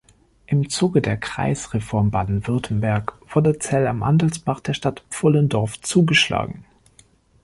Im Zuge der Kreisreform Baden-Württemberg wurde Zell am Andelsbach der Stadt Pfullendorf zugeschlagen.